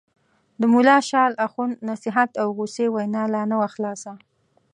د ملا شال اخُند نصیحت او غوسې وینا لا نه وه خلاصه.